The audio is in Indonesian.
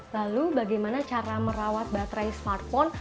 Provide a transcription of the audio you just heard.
lalu bagaimana cara merawat baterai smartphone